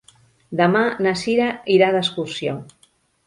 Demà na Sira irà d'excursió.